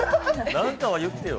何かは言ってよ。